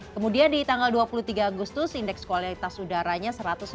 kemudian di tanggal dua puluh tiga agustus indeks kualitas udaranya satu ratus enam puluh